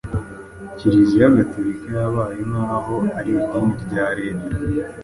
Kiliziya gatolika yabaye nk’aho ari idini rya Leta